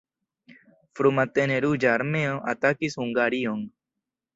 Frumatene Ruĝa Armeo atakis Hungarion.